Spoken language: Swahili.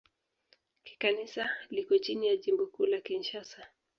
Kikanisa liko chini ya Jimbo Kuu la Kinshasa.